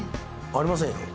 ありませんよ。